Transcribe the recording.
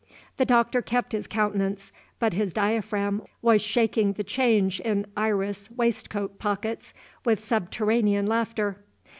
The Doctor kept his countenance, but his diaphragm was shaking the change in iris waistcoat pockets with subterranean laughter.